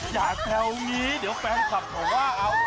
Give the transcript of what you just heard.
อย่าแท้วงี้เดี๋ยวแฟนกลับขอว่า